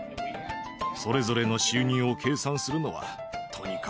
それぞれの収入を計算するのは。